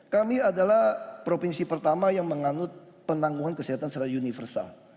kami adalah provinsi pertama yang menganut penangguhan kesehatan secara universal